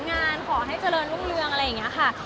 งานขอให้เจริญรุ่งเรืองอะไรอย่างนี้ค่ะ